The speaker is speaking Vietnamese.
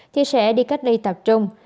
thì sẽ đi cách ly tập trung